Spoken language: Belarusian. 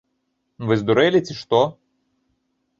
Вы здурэлі, ці што?